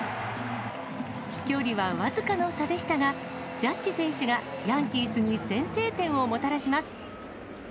飛距離は僅かの差でしたが、ジャッジ選手がヤンキースに先制点をもたらします。